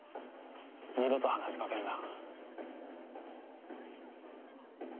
二度と話しかけんな。